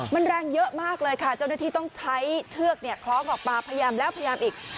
มันแรงเยอะมากเลยค่ะเจ้าหน้าที่ต้องใช้เชือกคล้องออกมาพยายามแล้วพยายามอีก